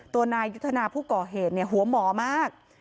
ตัวนายยุทธนาผู้ก่อเหตุเนี่ยหัวหมอมาก